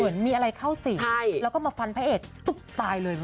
เหมือนมีอะไรเข้าสิแล้วก็มาฟันพระเอกตุ๊บตายเลย